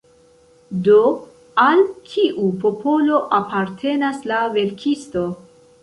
Do, al kiu popolo apartenas la verkisto?